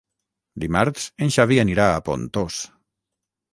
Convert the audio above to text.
Dimarts en Xavi anirà a Pontós.